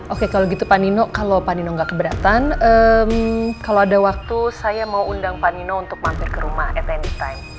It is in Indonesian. oke kalau gitu pak nino kalau pak nino nggak keberatan kalau ada waktu saya mau undang pak nino untuk mampir ke rumah at andy time